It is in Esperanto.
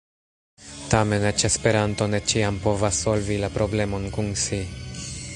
Tamen, eĉ Esperanto ne ĉiam povas solvi la problemon kun "si".